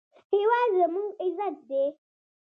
هېواد زموږ عزت دی